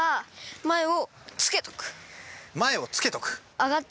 前をつけとく！